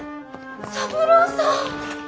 三郎さん。